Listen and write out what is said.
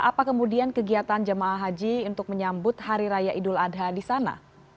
apa kemudian kegiatan jemaah haji untuk menyambut hari raya idul adha di sana